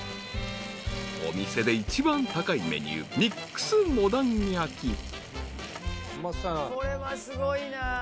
［お店で一番高いメニューミックスモダン焼き］